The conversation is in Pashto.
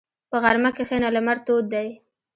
په غرمه کښېنه، لمر تود دی.